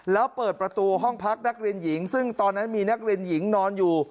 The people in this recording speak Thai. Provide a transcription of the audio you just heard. แล้วเปิดประตูห้องพักนักเรียนหญิงซึ่งตอนนั้นมีนักเรียนหญิงนอนอยู่